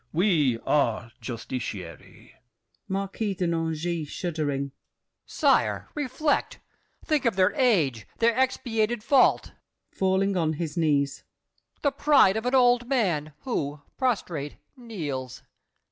We are justiciary! MARQUIS DE NANGIS (shuddering). Sire, reflect! Think of their age, their expiated fault! [Falling on his knees. The pride of an old man, who, prostrate, kneels!